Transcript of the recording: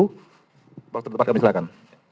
kepala tertempat kami silakan